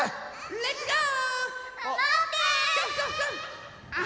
レッツゴー！